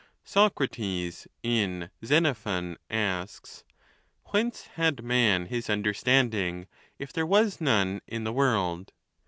XI. Socrates, in Xenophon, asks, " Whence had man his understanding, if there was none in the world?"